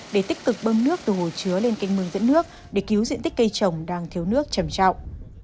để tích cực bơm nước từ hồ chứa lên kênh mương dẫn nước để cứu diện tích cây trồng đang thiếu nước trầm trọng